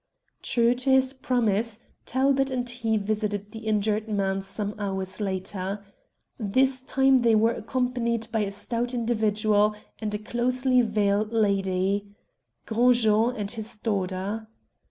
True to his promise, Talbot and he visited the injured man some hours later. This time they were accompanied by a stout individual and a closely veiled lady Gros Jean and his daughter.